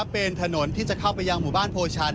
เป็นถนนที่จะเข้าไปยังหมู่บ้านโพชัน